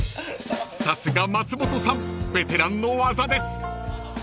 ［さすが松本さんベテランの技です］